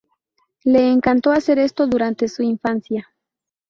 Le encantó hacer esto durante su infancia.